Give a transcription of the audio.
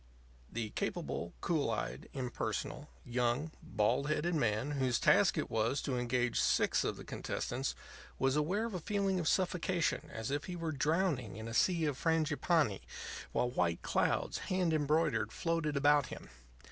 The capable, cool eyed, impersonal, young, bald headed man whose task it was to engage six of the contestants, was aware of a feeling of suffocation as if he were drowning in a sea of frangipanni, while white clouds, hand embroidered, floated about him.